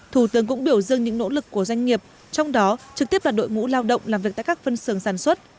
thủ tướng cũng biểu dưng những nỗ lực của doanh nghiệp trong đó trực tiếp là đội ngũ lao động làm việc tại các phân xưởng sản xuất